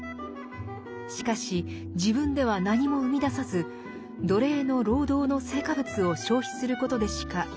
しかし自分では何も生み出さず奴隷の労働の成果物を消費することでしか生きていけません。